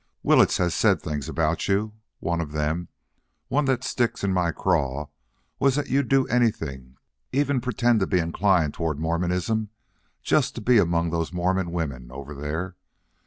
Willetts has said things about you. One of them the one that sticks in my craw was that you'd do anything, even pretend to be inclined toward Mormonism, just to be among those Mormon women over there.